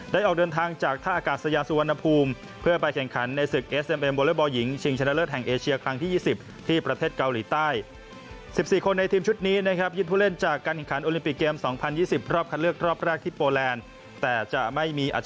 ได้ออกเดินทางจากท่าอากาศสยาสุวรรณภูมิ